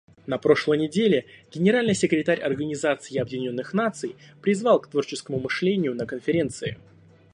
На прошлой неделе Генеральный секретарь Организации Объединенных Наций призвал к творческому мышлению на Конференции.